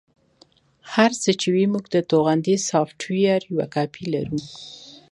هر څه چې وي موږ د توغندي سافټویر یوه کاپي لرو